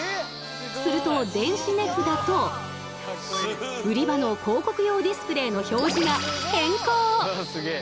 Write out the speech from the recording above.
すると電子値札と売り場の広告用ディスプレーの表示が変更！